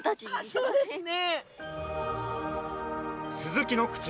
そうですね。